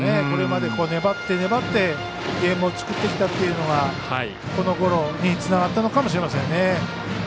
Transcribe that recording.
これまで粘って粘ってゲームを作ってきたというのがこのゴロにつながったのかもしれません。